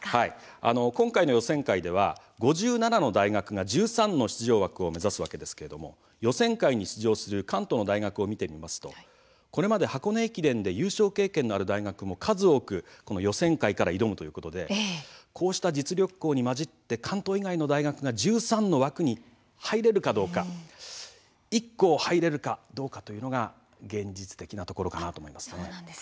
今回、予選会では５７の大学が１３の出場枠を目指すわけですが予選会に出場する関東の大学を見てみますとこれまでに箱根駅伝で優勝経験のある大学も数多く予選会から挑むということで実力校に交じって関東以外の大学が１３校に入れるかどうか１校入れるかどうかというのが現実的なところだと思います。